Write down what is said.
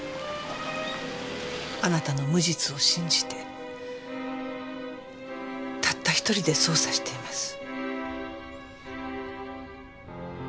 あなたの無実を信じてたった一人で捜査しています。